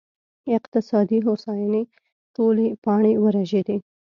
اقتصادي هوساینې ټولې پاڼې ورژېدې